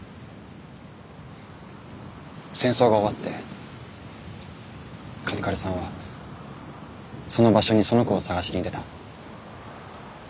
戦争が終わって嘉手刈さんはその場所にその子を捜しに出た。